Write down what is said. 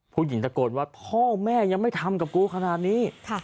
ผู้หญิงตะโกนว่าพ่อแม่ยังไม่ทำกับกูขนาดนี้